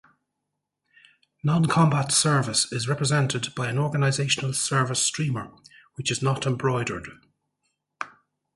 Non-combat service is represented by an organizational service streamer, which is not embroidered.